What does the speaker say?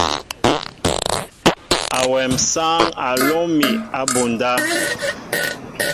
Awem sááŋ a lóm mi abunda.